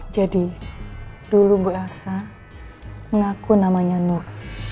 jadi dulu bu elsa mengaku namanya nur